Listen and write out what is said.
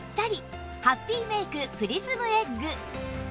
ハッピーメイクプリズムエッグ